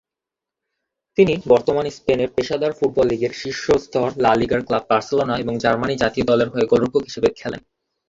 তিনি বর্তমানে স্পেনের পেশাদার ফুটবল লীগের শীর্ষ স্তর লা লিগার ক্লাব বার্সেলোনা এবং জার্মানি জাতীয় দলের হয়ে গোলরক্ষক হিসেবে খেলেন।